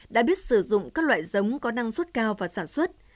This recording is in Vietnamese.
đã biết sử dụng các loại giống có năng suất cao và sản xuất